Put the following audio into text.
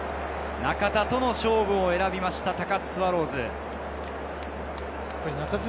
中田との勝負を選びました、高津スワローズ。